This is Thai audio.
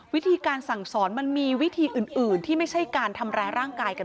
วิธีการสั่งสอนมันมีวิธีอื่นที่ไม่ใช่การทำร้ายร่างกายกัน